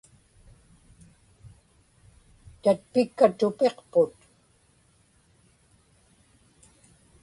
tatpikka tupiqput